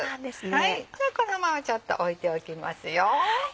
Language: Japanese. じゃあこのままちょっと置いておきますよ。